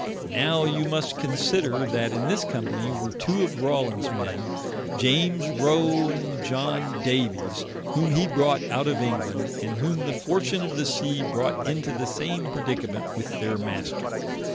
Now, you must consider, that in this company were two of Rawlins men, Iames Roe, and Iohn Davies, whom he brought out of England, and whom the fortune of the Sea brought into the same predicament with their Master.